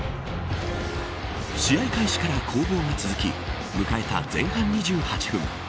試合開始から攻防が続き迎えた前半２８分。